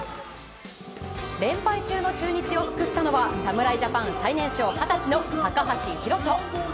連敗中の中日を救ったのはＷＢＣメンバーで最年少二十歳の高橋宏斗。